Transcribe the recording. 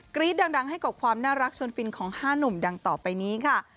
รี๊ดดังให้กับความน่ารักชวนฟินของ๕หนุ่มดังต่อไปนี้ค่ะ